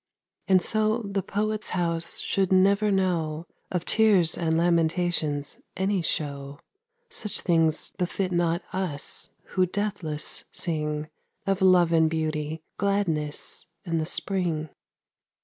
And so the poet's house should never know Of tears and lamentations any show; Such things befit not us who deathless sing Of love and beauty, gladness and the spring.